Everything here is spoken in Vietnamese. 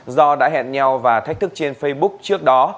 do đã hẹn nhau và thách thức trên facebook trước đó